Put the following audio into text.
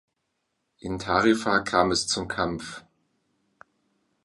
In Tarifa kam es zum Kampf.